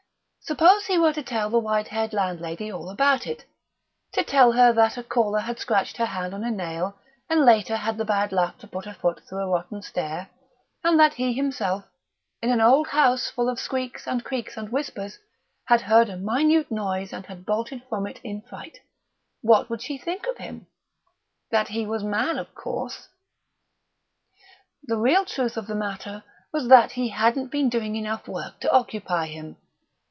Suppose he were to tell the white haired landlady all about it to tell her that a caller had scratched her hand on a nail, had later had the bad luck to put her foot through a rotten stair, and that he himself, in an old house full of squeaks and creaks and whispers, had heard a minute noise and had bolted from it in fright what would she think of him? That he was mad, of course.... Pshaw! The real truth of the matter was that he hadn't been doing enough work to occupy him.